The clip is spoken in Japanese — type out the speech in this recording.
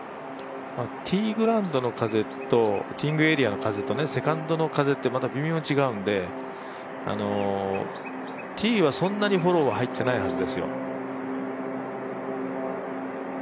ティーグラウンド、ティーイングエリアの風とセカンドとまた微妙に違うので、ティーはそんなにフォローは入っていないはずですよ。